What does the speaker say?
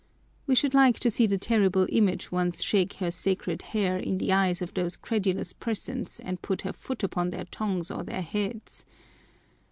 We should like to see the terrible Image once shake her sacred hair in the eyes of those credulous persons and put her foot upon their tongues or their heads.